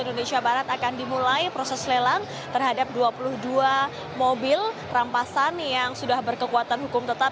indonesia barat akan dimulai proses lelang terhadap dua puluh dua mobil rampasan yang sudah berkekuatan hukum tetap